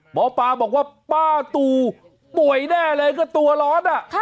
หมอปลาบอกว่าป้าตู่ป่วยแน่เลยก็ตัวร้อน